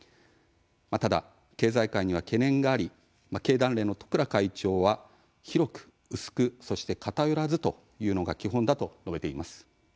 ただ経済界には懸念があり経団連の十倉会長は広く薄く、そして偏らずというのが基本だと述べています。